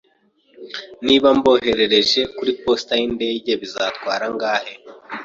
Niba mboherereje kuri posita yindege, bizatwara angahe?